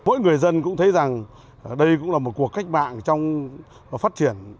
mỗi người dân cũng thấy rằng đây cũng là một cuộc cách mạng trong phát triển